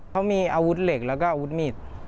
เขามีอาวุธเหล็กแล้วก็อาวุธมีด